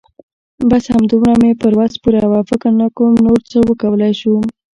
بس همدومره مې پر وس پوره وه. فکر نه کوم نور څه وکولای شم.